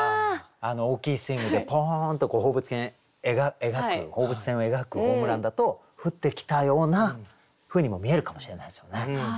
大きいスイングでポーンっと放物線描く放物線を描くホームランだと降ってきたようなふうにも見えるかもしれないですよね。